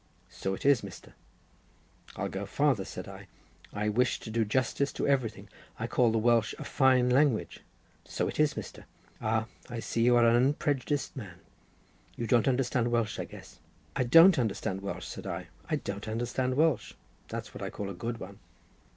"So it is, Mr." "I'll go farther," said I; "I wish to do justice to everything: I call the Welsh a fine language." "So it is, Mr. Ah, I see you are an unprejudiced man. You don't understand Welsh, I guess." "I don't understand Welsh," said I; "I don't understand Welsh. That's what I call a good one."